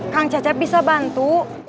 kang cacep bisa bantu